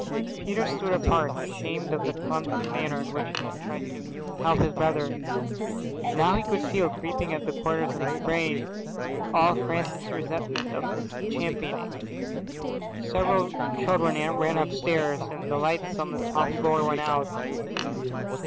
Peter stood apart, ashamed of the clumsy manner in which he had tried to help his brother. Now he could feel, creeping in at the corners of his brain, all Francis's resentment of his championing. Several children ran upstairs, and the lights on the top floor went out.